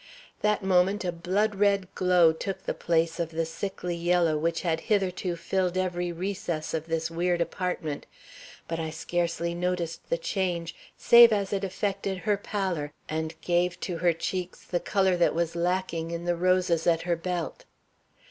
That moment a blood red glow took the place of the sickly yellow which had hitherto filled every recess of this weird apartment. But I scarcely noticed the change, save as it affected her pallor and gave to her cheeks the color that was lacking in the roses at her belt.